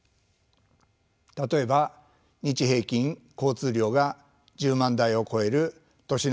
例えば日平均交通量が１０万台を超える都市内